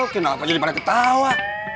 kenapa jadi pada ketawa